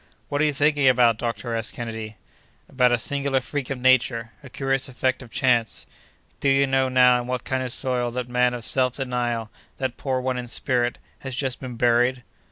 "What are you thinking about, doctor?" asked Kennedy. "About a singular freak of Nature, a curious effect of chance. Do you know, now, in what kind of soil that man of self denial, that poor one in spirit, has just been buried?"